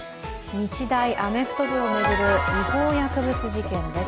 日大アメフト部を巡る違法薬物事件です。